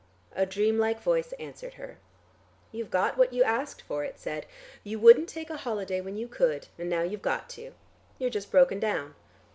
A dream like voice answered her. "You've got what you asked for," it said. "You wouldn't take a holiday when you could, and now you've got to. You're just broken down."